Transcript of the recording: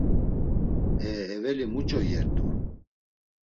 E eveli muç̌o iyert̆u?